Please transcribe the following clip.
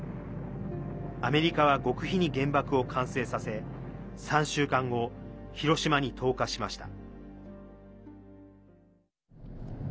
アメリカは極秘に原爆を完成させ３週間後、広島に投下しました。